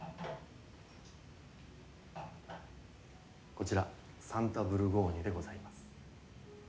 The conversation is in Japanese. こちらサンタブルゴーニュでございます。